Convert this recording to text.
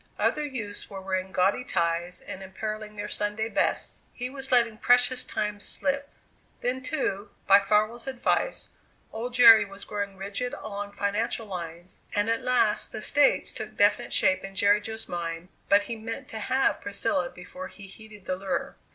Other youths were wearing gaudy ties and imperilling their Sunday bests; he was letting precious time slip. Then, too, by Farwell's advice, old Jerry was growing rigid along financial lines, and at last the States took definite shape in Jerry Jo's mind, but he meant to have Priscilla before he heeded the lure.